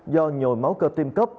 do nhồi máu cơ tim cấp